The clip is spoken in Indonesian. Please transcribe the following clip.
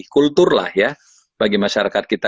kultur lah ya bagi masyarakat kita